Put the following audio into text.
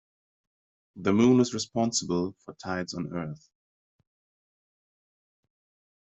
The moon is responsible for tides on earth.